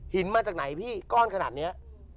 มาจากไหนพี่ก้อนขนาดนี้